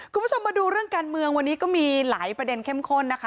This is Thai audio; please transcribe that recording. คุณผู้ชมมาดูเรื่องการเมืองวันนี้ก็มีหลายประเด็นเข้มข้นนะคะ